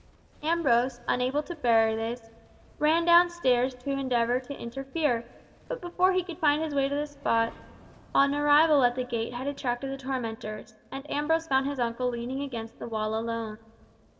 Ambrose, unable to bear this, ran down stairs to endeavour to interfere; but before he could find his way to the spot, an arrival at the gate had attracted the tormentors, and Ambrose found his uncle leaning against the wall alone.